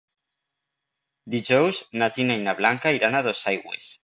Dijous na Gina i na Blanca iran a Dosaigües.